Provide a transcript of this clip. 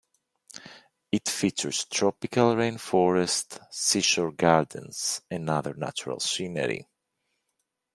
It features tropical rain forest, seashore gardens and other natural scenery.